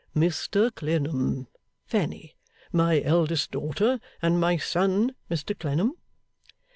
'Mr Clennam, Fanny. My eldest daughter and my son, Mr Clennam.